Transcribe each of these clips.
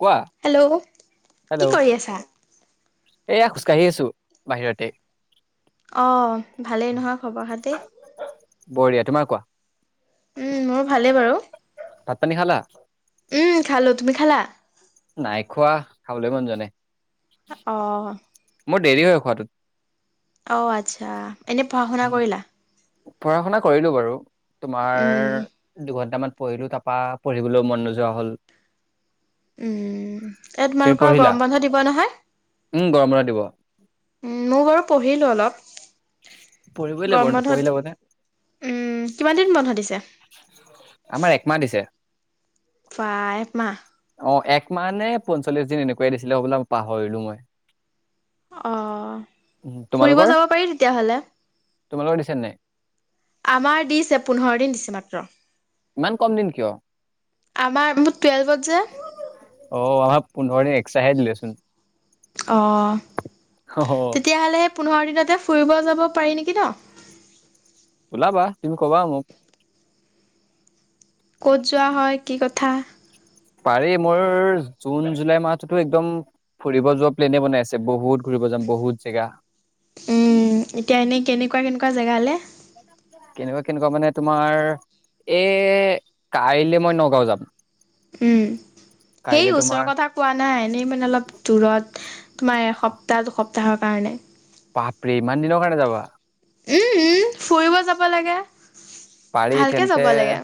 কোৱা hello, hello কি কৰি আছা? এয়া খোজকাঢ়ি আছো বাহিৰতে। অ, ভালেই নহয় খবৰ খাটি? বঢ়িয়া, তোমাৰ কোৱা? উম, মোৰ ভালেই বাৰু। ভাত পানী খালা উম, খালোঁ। তুমি খালা? নাই খোৱা, খাবলৈ মন যোৱা নাই। অহ। মোৰ দেৰি হয় খোৱাটোত। অ ', আচ্ছা। এনে পঢ়া শুনা কৰিলা? পঢ়া-শুনা কৰিলো বাৰু। তোমাৰ, উম, দুঘন্টামান। পঢ়িলো, তাৰপৰা পঢ়িবলৈও মন নোযোৱা হ'ল। উম, এয়া তুমি তোমালোকৰ পঢ়িলা গৰম বন্ধ দিব নহয়? উম গৰম বন্ধ দিব মই বাৰু পঢ়িলোঁ অলপ। পঢ়িবই লাগিব গৰম নপঢ়িলে বন্ধত মানে উম', কিমান দিন বন্ধ দিছে? আমাৰ একমাহ দিছে। ফাইভ মাহ। অ ', এক মাহ নে পঞ্চল্লিশ- দিন এনেকুৱাই দিছিলে হবলা পাহৰিলো মই। অ', উম, ফুৰিব তোমালোকৰ যাব পাৰি তেতিয়াহলে? তোমালোকৰ দিছে নাই? আমাৰ দিছে, পোন্ধৰ-দিন দিছে মাত্ৰ। ইমান কম দিন কিয়? আমাৰ মোৰ টুৱেলভত যে, অ আমাৰ পোন্ধৰ দিন এক্সটা হে দিলেচোন। অ', অ তেতিয়াহলে সেই পোন্ধৰ দিনতে, ফুৰিব যাব পাৰি নেকি ন? ওলাবা তুমি কবা মোক। ক'ত যোৱা হয় কি কথা? পাৰি মোৰ জুন জুলাই মাহতো একদম ফুৰিব যোৱা প্লেনে বনাই আছে বহুত ঘুৰিব যাম বহুত জেগা উম এতিয়া এনেই কেনেকুৱা কেনেকুৱা জেগালে কেনেকুৱা কেনেকুৱা মানে তোমাৰ এই কাইলৈ মই নগাঁও যাম উম সেই কাইলে তোমাৰ ওচৰৰ কথা কোৱা নাই এনেই মানে অলপ দূৰত তোমাৰ এসপ্তাহ দুসপ্তাহ তাহৰ কাৰণে পাপৰে ইমান দিনৰ কাৰণে যাবা উম উম ফুৰিব যাব লাগে। পাৰি ভালকে যাব তেন্তে লাগে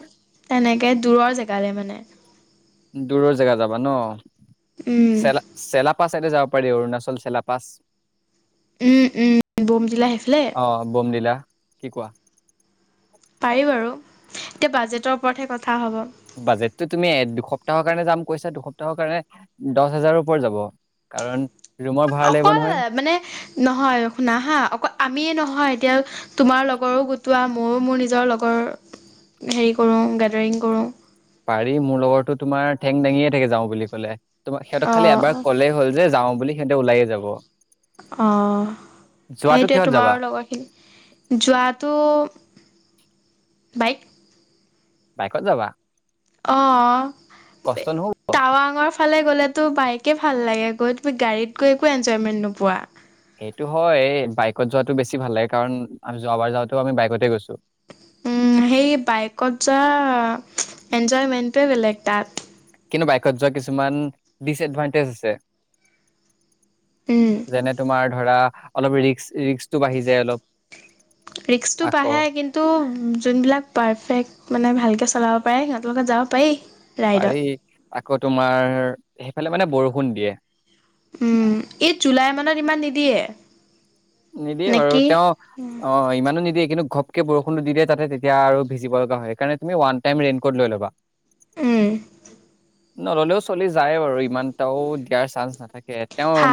তেনেকে দূৰৰ জেগালে মানে দূৰৰ জেগা যাবা ন উম চেলা চেলাপা চাইডে যাব পাৰি অৰুণাচল চেলা পাছ উম উম বমটিলা হেফালে অ বমডিলা কি কোৱা পাৰি বাৰু এতিয়া বাজেটৰ ওপৰতহে কথা হ'ব বাজেটতটো তুমি দুসপ্তাহৰ কাৰণে যাম কৈছা দুসপ্তাহ কাৰণে দহ হাজাৰৰ ওপৰ‌ যাব কাৰণ ৰুমৰ ভাড়া লাগিব অকল নহয় মানে নহয় শুনা হা অকল আমিয়ে নহয় এতিয়া তোমাৰ লগৰো গোটোৱা ময়ো মোৰ নিজৰ লগৰ হেৰি কৰো গেডাৰিং কৰো পাৰি মোৰ লগৰটো তোমাৰ ঠেং দাঙিয়ে থাকে যাও বুলি ক'লে। তোমাৰ সিহঁতক খালি অঁ এবাৰ ক'লেই হ'ল যে যাওঁ বুলি সিহঁতে ওলাইয়ে যাব অঁ যোৱাটো সেইটোৱে কিহত যাবা? তোমাৰ লগৰখিনি যোৱাটো বাইক বাইকত যাবা অ কষ্ট নহ'ব। টাৱাঙৰ ফালে গ'লে ত বাইকে ভাল লাগে গৈ তুমি গাড়ীত গৈ একো এনজয়মেন্ট নোপোৱা সেইটো হয় বাইকত যোৱাতটো বেছি ভাল লাগে কাৰণ যোৱাবাৰ যাওঁতেও আমি বাইকতে গৈছো উম সেই বাইকত যোৱা এনজয়মেন্টটোৱে বেলেগ তাত কিন্তু বাইকত যোৱা কিছুমান ডিচএডভানটেজ আছে উম যেনে তোমাৰ ধৰা অলপ ৰিস্ক ৰিস্ক টো আকৌ বাঢ়ে কিন্তু যোনবিলাক পাৰফেক্ট মানে ভালকে চলাব পাৰে সিহঁতৰ লগত যাব পাৰি ৰাইডত পাৰি আকৌ তোমাৰ সেইফালে মানে বৰষুণ দিয়ে উম এই জুলাই মানত ইমান নিদিয়ে নিদিয়ে বাৰু নেকি তেওঁ অ ইমানো নিদিয়ে কিন্তু ঘপকে বৰষুণটো দি দিয়ে তাতে তেতিয়া আৰু ভিজিব লগা হয় হেই কাৰণে তুমি ওৱান টাইম ৰেইনকোট লৈ লবা উম নল'লেও চলি যায় বাৰু ইমান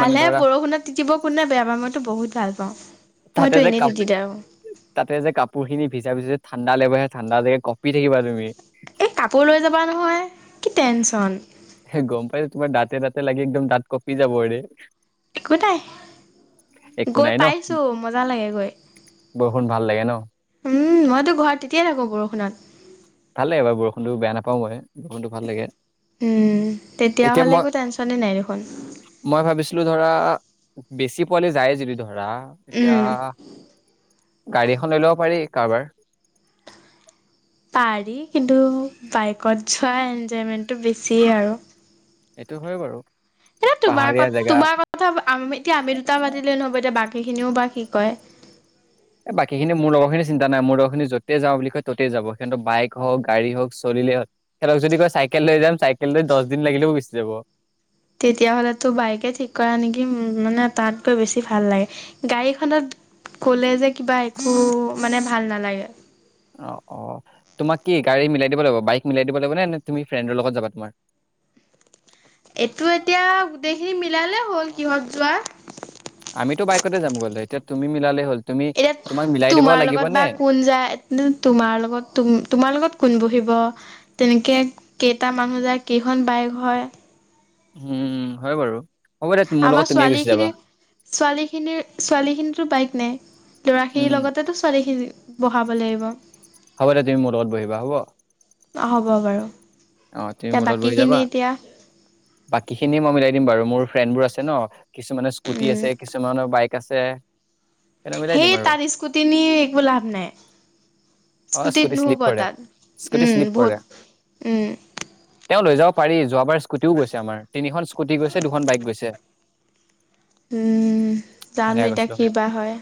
মানে হে ধৰা বৰষুণত তিতিব কোনো বেয়া পাৰ মইতো বহুত ভাল অ তাতে যে কাপ তাতে যে কাপোৰ খিনি ভিজা ভিজি ঠাণ্ডা লাগিবহে ঠাণ্ডা জে কপি থাকিবা তুমি এই কাপোৰ লৈ যাবা নহয় কি টেনচন গম পাইছো তোমাৰ দাঁতে দাঁতে লাগি একদম দাঁত কপি যাব ৰে একো নাই একো গৈ নাই ন পাইছো মজা লাগেগৈ বৰষুণ ভাল লাগে ন উম মইতো ঘৰত তেতিয়াই থাকো বৰষুণত ভাল লাগে বাৰু বৰষুণটো বেয়া নাপাওঁ মই বৰষুণটো ভাল লাগে উম তেতিয়া এতিয়া হলে মই একো টেনচনে নাই দেখোন মই ভাবিছিলো ধৰা বেছি পোৱালে যায় যিবিদ ধৰা এতিয়া উম। গাড়ী এখন লৈ লব পাৰি কাৰোবাৰ পাৰি কিন্তু বাইকত যোৱা এনজয়মেণ্টটো বেছিয়ে আৰু সেইটো হয় বাৰু এতা তোমাৰ ক পাহাৰীয়া জেগা তোমাৰ কথা আমি এতিয়া আমি দুটা পাতিলে নহব এতিয়া বাকী খিনিও বা কি কয় এই বাকীখিনি মোৰ লগৰখিনি চিন্তা নাই মোৰ লগৰখিনি যতেই যাওঁ বুলি কয় ত'তেই যাব। সিহঁত বাইক হওক গাড়ী হওক চলিল হ'ল। সিহঁতক যদি কয় চাইকেল লৈ যাম চাইকেল লৈ দছ দিন লাগিলেও গোচি যাব। তেতিয়াাহলেতো বাইকে ঠিক কৰা নেকি মানে তাতগৈ বেছি ভাল লাগে গাড়ীখনত কলে যে কিবা একো মানে ভাল নালাগে অ অ তোমাক কি গাড়ী মিলাই দিব লাগিব বাইক মিলাই দিব লাগিব নে নে তুমি ফ্ৰেণ্ডৰ লগত যাবা তোমাৰ এইটো এতিয়া গোটেইখিনি মিত ওলালে হ'ল কিহত যোৱা আমিতো বাইকতে যাম গ'লো এতিয়া তুমি মিলালে হ'ল তুমি তোমাক এতিয়া মিলাই দিব তোমাৰ লাগিব লগত বা নে কোন যায় তোমাৰ লগত তোমাৰ লগত কোন বহিব তেনেকে কেইটা মানুহ যায়? কেইখন বাইক হয়? উম, হয় বাৰু। হ'ব দে মোৰ লগত আমাৰ তুমিয়ে ছোৱালী গুচি যাবা খিনিৰ, ছোৱালী খিনিৰ, ছোৱালী খিনিতো বাইক নে। উম ল'ৰাখিনিৰ লগতেতো ছোৱালী খিনি বঢ়াব লাগিব। হ'ব দে! তুমি মোৰ লগত বহিবা হ'ব। হ'ব বাৰু। অ'! তুমি এতিয়া মোৰ লগত বহি বাকীখিনি যাবা। এতিয়া বাকী খিনি মই মিলাই দিম বাৰু। মোৰ ফ্ৰেণ্ড বোৰ আছে ন'। কিছুমানে স্কুটি উম আছে, কিছুমানৰ বাইক। [unintelligible] মিলাই দিম সেই আৰু তাত স্কুটি নি একো লাভ নাই। অ স্কুটিত স্কুটি শ্লিপ নুশুব কৰে তাত। স্কুটি উম, শ্লিপ বহুত কৰে উম! তেওঁ লৈ যাব পাৰি যোৱাবাৰ স্কুটিও গৈছে। আমাৰ তিনিখন স্কুটি গৈছে দুখন বাইক গৈছে। উম, জানো সেনেকে এতিয়া গৈছিলো কি আমি বা হয়।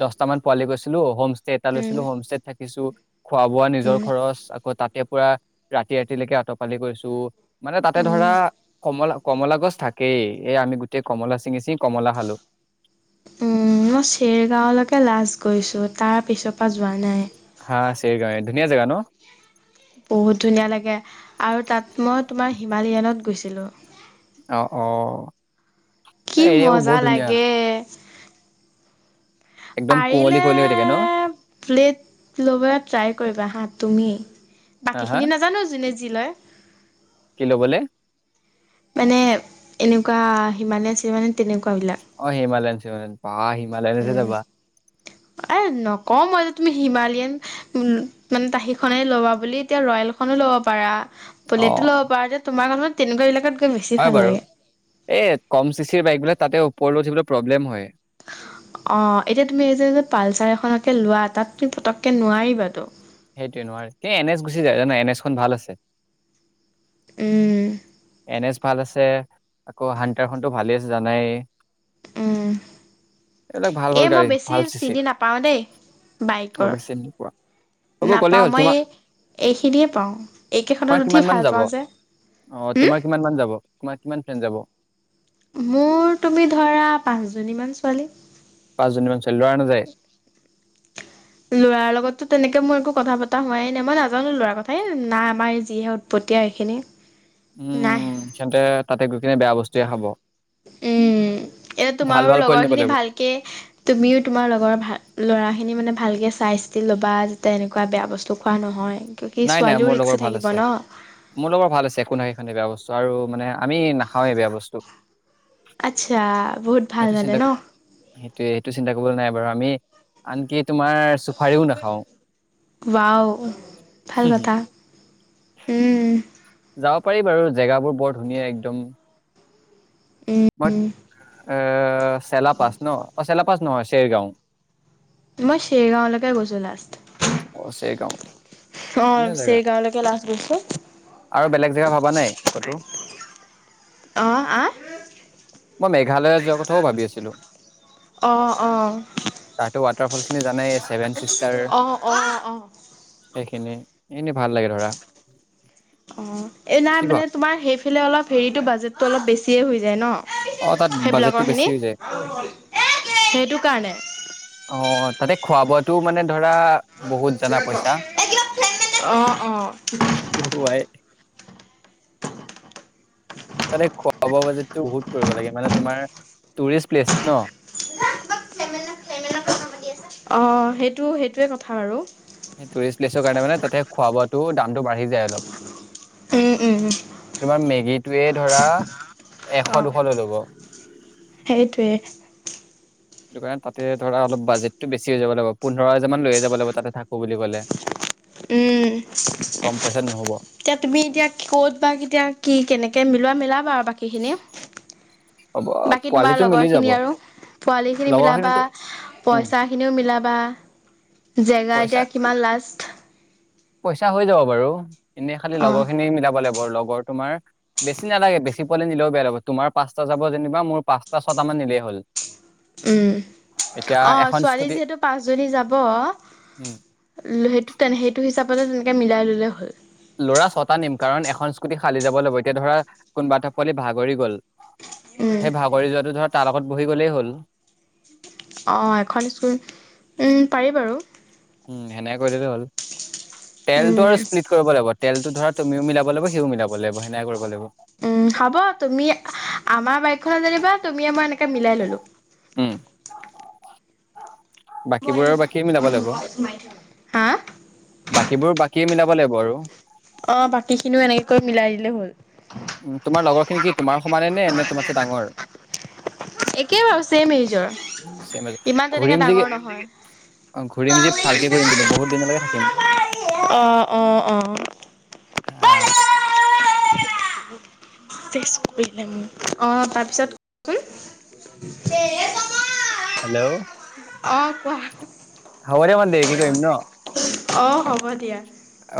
দহটামান পালি গৈছিলোঁ। হোম এটা উম লৈছিলোঁ হোমষ্টেত থাকে যে কিছু খোৱা বোৱা নিজৰ উম খৰচ। আকৌ, তাত তেওঁ পুৰা ৰাতি ৰাতিলৈকে অ'ত পালি কৰিছোঁ। মানে, তাতে উম ধৰা কমল কমলা গছ থাকেই। এ, আমি গোটেই কমলা ছিঙি ছিঙি কমলা খালোঁ। উম, মই চেৰগাঁওলৈকে লাষ্ট গৈছোঁ। তাৰ পিছৰ পৰা যোৱা নাই। হা! চেৰগাঁও ধুনীয়া জেগা ন'! বহুত ধুনীয়া লাগে আৰু তাত মই তোমাৰ হিমালয়ানত গৈছোঁ। গৈছিলো। অ'! অ'! কি এই এৰিয়াবোৰ মজা বহুত ধুনীয়া লাগে। একদম কুঁৱলী পাৰিলে কুঁৱলী হৈ থাকে ন? ফ্লেট ল'ব ট্ৰাই কৰিবা হা। তুমি? হা বাকী হা খিনি নাজানোঁ। যোনে [unintelligible] কি ল'বলে? মানে এনেকোৱা হিমালয় আছিল মানে তেনেকোৱা অ হিমালয়ান ট্ৰেভেল উম এ নকও মই এতিয়া তুমি হিমালিয়ান উ মানে তা সেইখনে ল'বা বুলি এতিয়া ৰয়েল খনো ল'ব পাৰা বুলেটো অ' ল'ব পাৰ যে তোমাৰ মনত তেনেকোৱা এলেকাত হয় বাৰু এই কম চিচিৰ বাইক বোলে তাতে ওপৰলৈ উঠিবলৈ প্ৰব্লেম হয় অ এতিয়া তুমি এই যে যে পালচাৰ এখনকে লোৱা তাত তুমি পতককে নোৱাৰিবা তো সেইটোৱে নোৱাৰে এ এন এছ গুচি যায় জানা এন এছখন ভাল আছে উম এন এছ ভাল আছে আকৌ হানটাৰ খনতো ভালে আছে জানাই উম এইবিলাক ভাল ভাল এই মই গাড়ী বেছি ভাল চিচি চিনি নাপাওঁ দেই অ' বাইকৰ বেছি নোপোৱা। হ'ব গ'লেই নাপাওঁ হ'ল মই তোমাৰ এই এইখিনিয়ে পাওঁ এইকেইখনত তোমাৰ উঠি কিমান মান ভাল যাব? পাওঁ যে অ' হুম? তোমাৰ কিমান মান যাব তোমাৰ কিমান ফ্ৰেণ্ড যাব মোৰ তুমি ধৰা পাঁচজনী মান ছোৱালী পাঁচজনীমান ছোৱালী লৰা নাযায় লৰাৰ লগততো তেনেকে মোৰ একো কথা পতা হোৱাই নাই মই নাজানো লৰাৰ কথাই না আমাৰ যিহে উৎপত্তীয়া সেইখিনি উম তেন্তে তাতে গৈ কিনে বেয়া বস্তুয়ে খাব উম এতিয়া ভাল তোমাৰো ভাল পোৱালি লগৰ নিব খিনি লাগিব। ভালকে তুমিও তোমাৰ লগৰ ভাল ল'ৰা খিনি মানে ভালকৈ চাই চিতি ল'বা যাতে এনেকোৱা বেয়া বস্তু খোৱা নহয় কি নাই নাই ছোৱালীও মোৰ ৰিক্সি লগৰ ভাল থাকিব আছে ন মোৰ লগৰ ভাল আছে একো নাখাই সেতি বেয়া বস্তু আৰু মানে আমি নাখাওঁৱেই বেয়া বস্তু আচ্ছা বহুত ভাল সেইটো মানে চিন্তা ন সেইটোয়ে সেইটো চিন্তা কৰিবলৈ নাই বাৰু আমি আনকি তোমাৰ চুফাৰিও নাখাওঁ ৱাও ভাল কথা উম যাব পাৰি বাৰু জেগাবোৰ বৰ ধুনীয়া একদম মই উম এ চেলাপাছ ন অ চেলাপাচ নহয় চেৰগাঁও মই চেৰগাঁৱলৈকে গৈছো অ চেৰগাঁও লাষ্ট অ ধুনীয়া জেগা চেৰগাঁৱলৈকে লাষ্ট গৈছো আৰু বেলেগ জেগা ভাবা নাই ক'তো অহ আ মই মেঘালয় যোৱা কথাও ভাবি আছিলো অঁ অঁ অঁ [unintelligible] ছেভন চ অঁ অ অঁ কেনে অ এই নাই কি কোৱা মানে তোমাৰ সেইফালে অলপ হেৰিতটো বাজেটটো অলপ বেছি হে হৈ যায় ন অ তাত বাজেটটো বেছি সেইবিলাকৰখিনি হৈ যায় সেইটো কাৰণে অ তাতে খোৱা বোৱাটো মানে ধৰা বহুত জানা পইচা অ অ খোৱাই তালে খোৱা বোৱা বাজেটো বহুত কৰিব লাগে মানে তোমাৰ টুৰিষ্ট প্লেচ ন অ সেইটো সেইটোৱে কথা আৰু সেই টুষ্ট প্লেচৰ কাৰণে মানে তাতে খোৱা বোৱাাতটো দাম বাঢ়ি যায় উম, উম, তোমাৰ মেগীটোৱে ধৰা এশ অ'। দুশ লৈ ল'ব সেইটোৱে সেইটো কাৰণে তাতে ধৰা অলপ বাজেটটো বেছি হৈ যাব লাগিব পোন্ধৰ হাজাৰ মান লৈয়ে যাব লাগিব তা থাকো বুলি ক'লে উম কম পইচাত নহ'ব এতিয়া তুমি এতিয়া কত বা কেতিয়া কি কেনেকে মিলোৱা মিলা বাৰ বাকীখিনি হ'ব বাকী তোমাৰ পোৱালিটো মিলি লগৰ যাব খিনি আৰু পোৱালি খিনি মিলাবা লগৰখিনিতো উম পইচা খিনিও মিলাবা বা জেগা পইচা এতিয়া কিমান লাজ পইচা হৈ যাব বাৰু এনেই খালি অঁ লগৰ খিনি মিলাব লাগি বাৰু লগৰ তোমাৰ বেছি নালাগে বেছি পোৱালে নিলেও বেয়া লাগব তোমাৰ পাঁচটা যাব যেনিবা মোৰ পাঁচটা ছটা মান নিলেই হ'ল উম এতিয়া অ এখন ছোৱালী স্কুটি যিহেতু পাঁচজনী যাব উম তেনে সেইটো হিচাপতে তেনেকে মিলাই ললে হ'ল লৰা ছটা নিম কাৰণ এখন স্কুটি খালি যাব লাগিব এতিয়া ধৰা কোনোবাটা পোৱালি ভাগৰি গ'ল উম সেই ভাগৰি যোৱাাতো ধৰা তাৰ লগত বহি গ'লেই হ'ল অ এখন স্কুল ওম পাৰি বাৰু উম সেনেকে কৰি দিলো হ'ল তেলটো উম আৰু স্প্লিট কৰিব লাগিব তেল ধৰা তুমিও মিলাব লাগিব সিও মিলাব লাগিব সেনাই কৰিব লাগিব উম হ'ব তুমি আমাৰ বাইকখনত যেনিবা তুমিয় মই এনেকে মিলাই ললো [unintelligible] বাকীবোৰৰ বাকীয়ে মিলাব লাগিব [unintelligible] হা? বাকীবোৰ বাকী মিলাব লাগিব আৰু। অঁ বাকীখিনিও এনেকৈ মিলাই দিলে হ'ল উম তোমাৰ লগৰ খিনি কি তোমাৰ সমানে নে নে তোমাতছে ডাঙৰ একেই বাৰু ছেম এইজৰ চেম ইমান তেনেকে ঘূৰিম যি ডাঙৰ নহয় অ ঘূৰিম যি ভালকে ঘূৰিম কিন্তু বহুত দিনলৈকে থাকিম। [unintelligible] আহ অ অ আহ [unintelligible] [unintelligible] কৰি অ তাৰ পিছতচোন [unintelligible] হেল্ল'। অ কোৱা। হব দিয়া [unintelligible] দেৰি কে কৰিম ন? অঁ হ'ব দিয়া।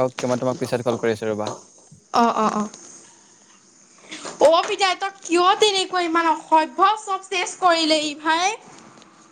অকে মই তোমাক পিছত কল কৰি আছো ৰবা। অঁ পিতাই তই কিয় তেনেকৈ ইমান অসভ্য চব চেচ কৰিলে ই ভাই।